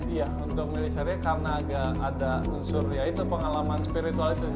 iya untuk memilih syariah karena ada unsur yaitu pengalaman spiritual itu